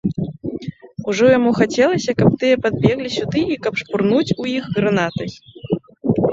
Ужо яму хацелася, каб тыя падбеглі сюды і каб шпурнуць у іх гранатай.